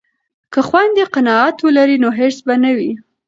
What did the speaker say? که خویندې قناعت ولري نو حرص به نه وي.